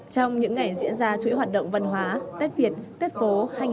trong những ngày diễn ra chuỗi hoạt động văn hóa tết việt tết phố hai nghìn hai mươi